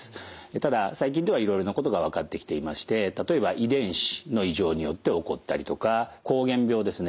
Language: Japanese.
ただ最近ではいろいろなことが分かってきていまして例えば遺伝子の異常によって起こったりとか膠原病ですね